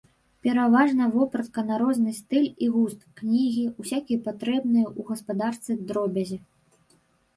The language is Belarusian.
Пераважна вопратка на розны стыль і густ, кнігі, усякія патрэбныя ў гаспадарцы дробязі.